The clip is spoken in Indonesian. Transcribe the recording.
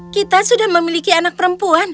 kita sudah memiliki anak perempuan